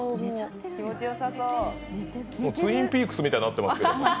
「ツインピークス」になってますよ。